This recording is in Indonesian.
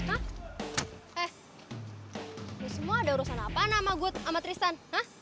apa yang terjadi sama gue sama tristan